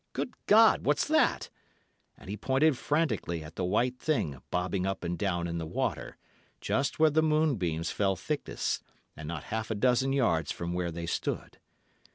Good God! what's that?' And he pointed frantically at the white thing bobbing up and down in the water, just where the moonbeams fell thickest, and not half a dozen yards from where they stood.